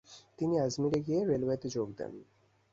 তিনি আজমের-এ গিয়ে রেলওয়েতে যোগ দেন।